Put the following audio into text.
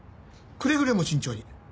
くれぐれも慎重に。